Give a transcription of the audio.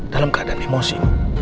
dalam keadaan emosi